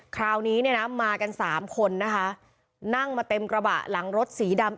คราวนี้เนี่ยนะมากันสามคนนะคะนั่งมาเต็มกระบะหลังรถสีดำ